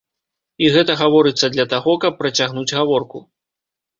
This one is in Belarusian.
І гэта гаворыцца для таго, каб працягнуць гаворку.